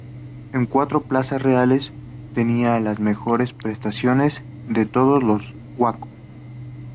Un cuatro plazas reales, tenía las mejores prestaciones de todos los Waco.